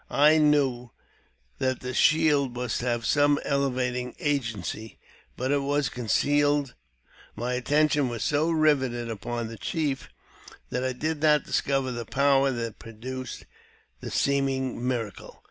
I knew that the shield must have some elevating agency, but it was concealed : my attention was so riveted upon the chief, that I did not discover the power that produced the seeming miracle.